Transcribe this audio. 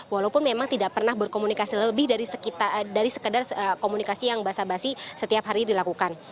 walaupun memang tidak pernah berkomunikasi lebih dari sekedar komunikasi yang basa basi setiap hari dilakukan